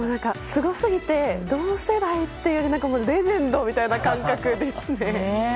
すごすぎて同世代というかレジェンドみたいな感覚ですね。